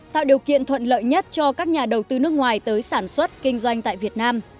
tạo điều kiện thuận lợi nhất cho các nhà đầu tư nước ngoài tới sản xuất kinh doanh tại việt nam